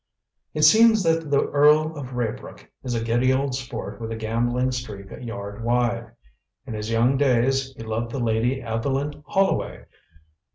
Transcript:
It seems that the Earl of Raybrook is a giddy old sport with a gambling streak a yard wide. In his young days he loved the Lady Evelyn Hollowway.